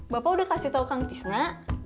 bapak udah kasih tau kang tis mak